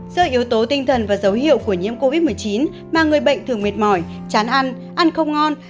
do yếu tố tinh thần và dấu hiệu của nhiễm covid một mươi chín mà người bệnh thường mệt mỏi chán ăn ăn không ngon